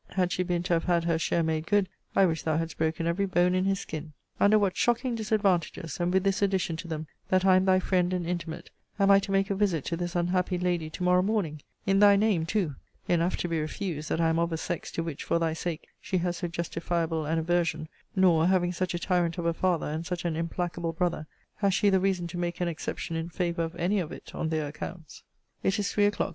Had she been to have had her share made good, I wish thou hadst broken every bone in his skin. Under what shocking disadvantages, and with this addition to them, that I am thy friend and intimate, am I to make a visit to this unhappy lady to morrow morning! In thy name, too! Enough to be refused, that I am of a sex, to which, for thy sake, she has so justifiable an aversion: nor, having such a tyrant of a father, and such an implacable brother, has she the reason to make an exception in favour of any of it on their accounts. It is three o'clock.